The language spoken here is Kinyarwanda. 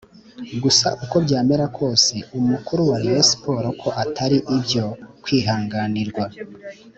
gusa uko byamera kose umukuru wa rayon sport ko atari ibyo kwihanganirwa